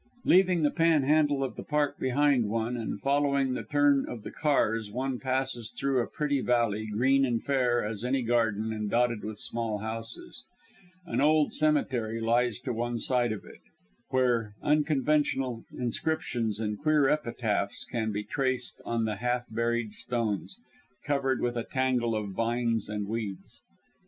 Leaving the pan handle of the Park behind one, and following the turn of the cars, one passes through a pretty valley, green and fair as any garden, and dotted with small houses. An old cemetery lies to one side of it; where unconventional inscriptions and queer epitaphs can be traced on the half buried stones, covered with a tangle of vines and weeds.